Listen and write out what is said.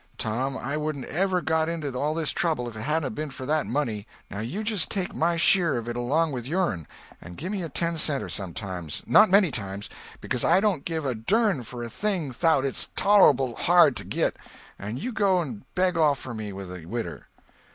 Tom, I wouldn't ever got into all this trouble if it hadn't 'a' ben for that money; now you just take my sheer of it along with your'n, and gimme a ten center sometimes—not many times, becuz I don't give a dern for a thing 'thout it's tollable hard to git—and you go and beg off for me with the widder."